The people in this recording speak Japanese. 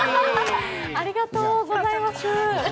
ありがとうございます。